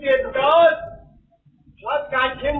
มันมีคลิปหลุม